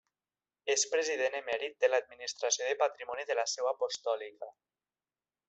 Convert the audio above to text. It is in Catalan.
És president emèrit de l'Administració del Patrimoni de la Seu Apostòlica.